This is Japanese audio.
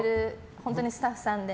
本当にスタッフさんで。